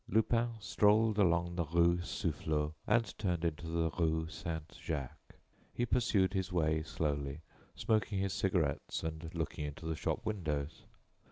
Lupin strolled along the rue Soufflot, and turned into the rue Saint Jacques. He pursued his way slowly, smoking his cigarettes and looking into the shop windows.